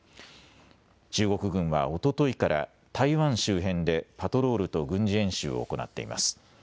中国軍はおとといから台湾周辺でパトロールと軍事演習を行っています。